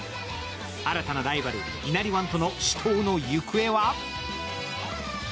新たなライバル・イナリワンとの死闘の行方は？